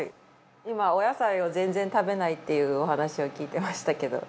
今お野菜を全然食べないっていうお話を聞いてましたけど。